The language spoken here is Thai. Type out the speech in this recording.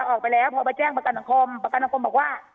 ออกไปแล้วพอไปแจ้งประกันสังคมประกันสังคมบอกว่า